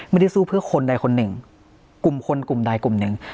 ไม่ได้สู้เพื่อคนใดคนหนึ่งกลุ่มคนกลุ่มใดกลุ่มหนึ่ง